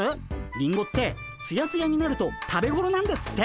リンゴってツヤツヤになると食べごろなんですって。